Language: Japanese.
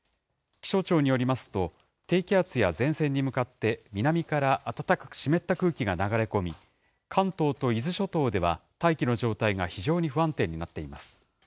気象庁によりますと、低気圧や前線に向かって南から暖かく湿った空気が流れ込み、関東と伊豆諸島では、大気の状態が非常に不安定になっています。